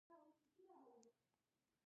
سترګې د بدن تر ټولو پیچلي حسي غړي دي.